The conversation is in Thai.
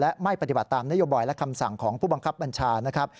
และไม่ปฏิบัติตามนโยบายและคำสั่งของผู้บังคับบัญชานะครับ